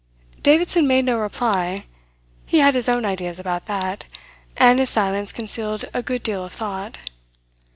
Davidson made no reply. He had his own ideas about that, and his silence concealed a good deal of thought.